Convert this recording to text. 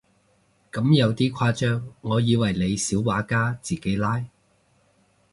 咁有啲誇張，我以為你小畫家自己拉